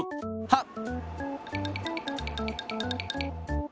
はっ！